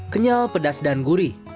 kenyal pedas dan gurih